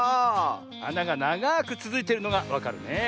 あながながくつづいてるのがわかるねえ。